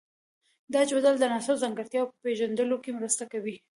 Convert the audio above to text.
دا جدول د عناصرو د ځانګړتیاوو په پیژندلو کې مرسته کوي.